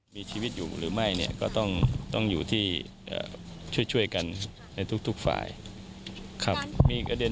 พอตรวจสอบบริเวณสถานการณ์